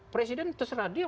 presiden terserah dia